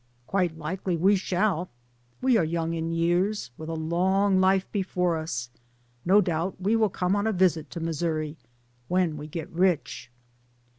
''Quite likely we shall, we are young in years, with a long life before us, no doubt we will come on a visit to Missouri when we get rich."